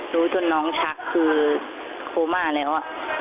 รู้จนน้องชักคือโคม่าแล้ว